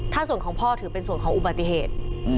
ถ้าส่วนของพ่อถือเป็นส่วนของอุบัติเหตุ